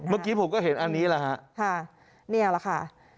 เมื่อกี้ผมก็เห็นอันนี้แหละค่ะ